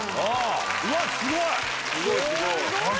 うわっすごい！